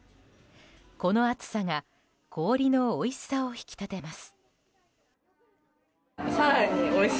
この暑さが氷のおいしさを引き立てます。